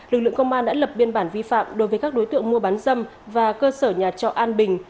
lực lượng công an đã lập biên bản vi phạm đối với các đối tượng mua bán dâm và cơ sở nhà trọ an bình